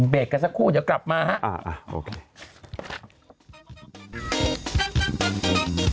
เบรกกันสักครู่เดี๋ยวกลับมาครับ